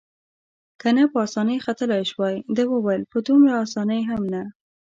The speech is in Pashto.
که نه په اسانۍ ختلای شوای، ده وویل: په دومره اسانۍ هم نه.